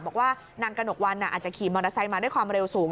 บอกว่านางกระหนกวันอาจจะขี่มอเตอร์ไซค์มาด้วยความเร็วสูง